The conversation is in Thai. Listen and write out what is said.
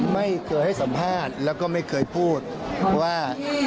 ไม่เคยให้สัมภาษณ์แล้วก็ไม่เคยพูดว่า